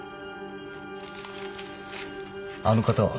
あの方は？